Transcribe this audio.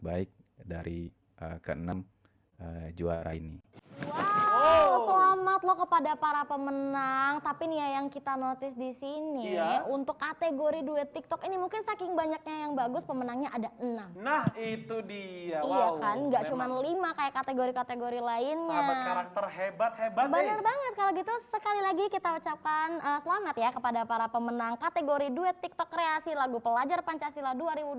benar banget kalau gitu sekali lagi kita ucapkan selamat ya kepada para pemenang kategori duet tiktok kreasi lagu pelajar pancasila dua ribu dua puluh satu